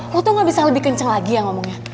lo tuh gak bisa lebih kenceng lagi ya ngomongnya